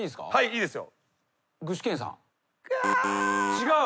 違う？